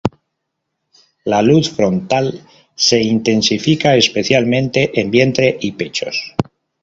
La luz frontal se intensifica especialmente en vientre y pechos.